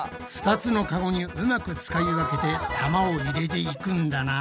２つのカゴにうまく使い分けて玉を入れていくんだな。